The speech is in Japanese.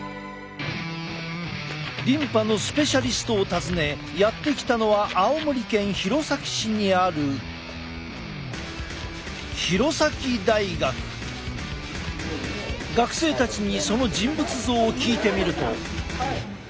リンパのスペシャリストを訪ねやって来たのは青森県弘前市にある学生たちにその人物像を聞いてみると。